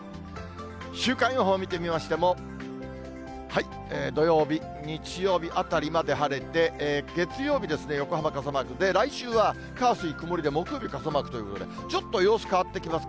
週間予報を見てみましても、土曜日、日曜日あたりまで晴れて、月曜日ですね、横浜傘マーク、来週は火、水、曇りで、木曜日、傘マークということで、ちょっと様子変わってきます。